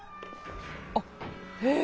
あっへえ！